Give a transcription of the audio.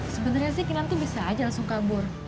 sebenarnya sih kinan tuh bisa aja langsung kabur